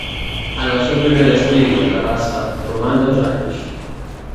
En el seu primer destí, a Terrassa, roman dos anys.